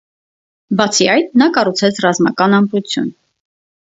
Բացի այդ, նա նաև կառուցեց ռազմական ամրություն։